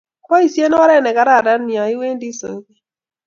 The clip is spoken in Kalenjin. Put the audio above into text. boisien oret ne kararan ya iwendi soket